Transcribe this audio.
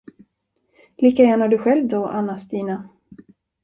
Lika gärna du själv då, Anna Stina.